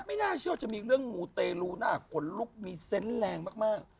ไม่น่าเชื่ออาจจะมีเรื่องหมู่เตรูน่ากลุกมีเซ้นแรงมาก